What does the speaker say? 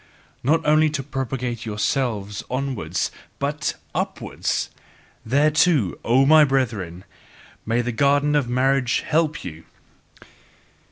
Not only to propagate yourselves onwards but UPWARDS thereto, O my brethren, may the garden of marriage help you!